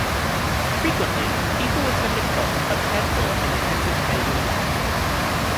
Frequently, people with septic shock are cared for in intensive care units.